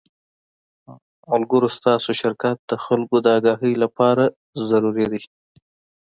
ملګرو ستاسو شرکت د خلکو د اګاهۍ له پاره ضروري دے